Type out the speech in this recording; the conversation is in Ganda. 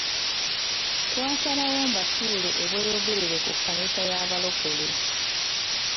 Twasalawo mbasuule e Bweyogerere ku kkanisa y'abalokole.